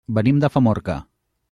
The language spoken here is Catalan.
Venim de Famorca.